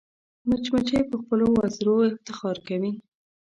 مچمچۍ په خپلو وزرو افتخار کوي